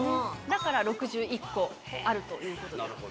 だから６１個あるということです。